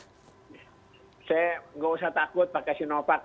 saya nggak usah takut pakai sinovac